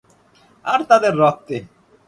আর তাদের রক্তে!